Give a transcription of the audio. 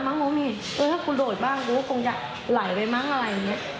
มั้งอ๋อมีเออถ้าคุณโดดบ้างกูก็คงจะไหลไปมั้งอะไรอย่างเงี้ย